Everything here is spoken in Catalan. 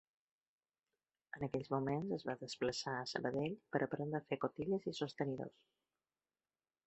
En aquells moments es va desplaçar a Sabadell per aprendre a fer cotilles i sostenidors.